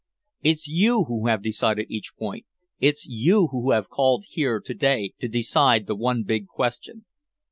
It's you who have decided each point. It's you who have been called here to day to decide the one big question.